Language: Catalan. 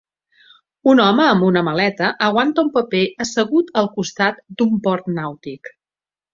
Un home amb una maleta aguanta un paper assegut al costat d'un port nàutic.